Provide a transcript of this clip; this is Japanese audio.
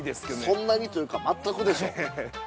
◆そんなにというか全くでしょう。